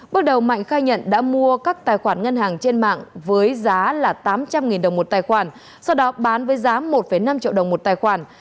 bước đầu mạnh khai nhận đã mua các tài khoản ngân hàng trên mạng với giá là tám trăm linh đồng một tài khoản sau đó bán với giá một năm triệu đồng một tài khoản